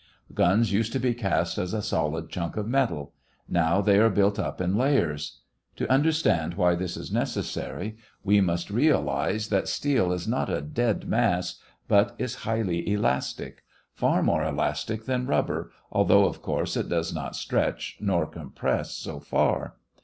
Guns used to be cast as a solid chunk of metal. Now they are built up in layers. To understand why this is necessary, we must realize that steel is not a dead mass, but is highly elastic far more elastic than rubber, although, of course, it does not stretch nor compress so far.